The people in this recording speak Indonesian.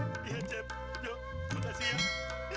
iya jep jok makasih ya